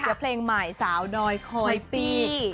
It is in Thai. เพื่อเพลงใหม่สาวน้อยคอยปีก